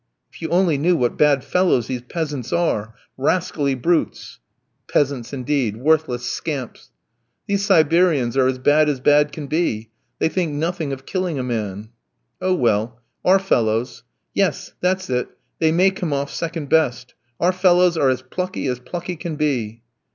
"If you only knew what bad fellows these peasants are! Rascally brutes!" "Peasants, indeed! Worthless scamps!" "These Siberians are as bad as bad can be. They think nothing of killing a man." "Oh, well, our fellows " "Yes, that's it, they may come off second best. Our fellows are as plucky as plucky can be."